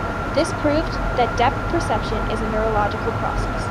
This proved that depth perception is a neurological process.